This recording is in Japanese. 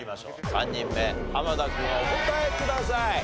３人目濱田君お答えください。